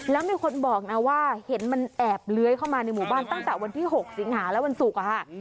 แล้วมีคนบอกนะว่าเห็นมันแอบเลื้อยเข้ามาในหมู่บ้านตั้งแต่วันที่๖สิงหาและวันศุกร์ค่ะ